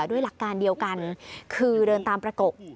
ด้วยหลักการเดียวกันคือเดินตามประกบ